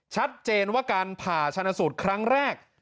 ชัดเจนว่าการผ่าชนะสูตรครั้งแรก